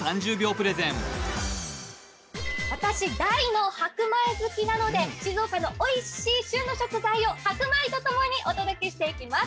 プレゼン私大の白米好きなので静岡のおいしい旬の食材を白米とともにお届けしていきます